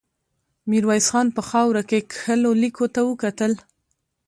ميرويس خان په خاورو کې کښلو ليکو ته وکتل.